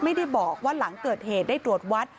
ไม่ได้บอกว่าหลังเกิดเหตุได้ตรวจวัด